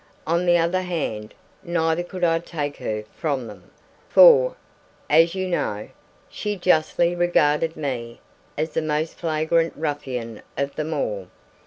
On the other hand, neither could I take her from them, for (as you know) she justly regarded me as the most flagrant ruffian of them all.